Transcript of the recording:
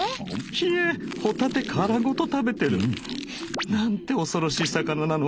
ヒエホタテ殻ごと食べてる。なんて恐ろしい魚なの。